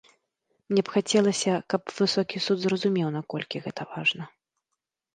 Мне б хацелася, каб высокі суд зразумеў, наколькі гэта важна.